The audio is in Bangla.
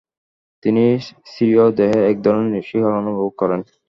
তিনি স্বীয় দেহে এক ধরনের শিহরণ অনুভব করেন।